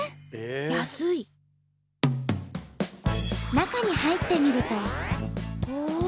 中に入ってみるとおお！